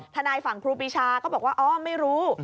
ทนายฝั่งครูปีชาก็บอกว่าอ๋อไม่รู้